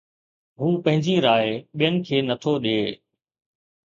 هو پنهنجي راءِ ٻين کي نه ٿو ڏئي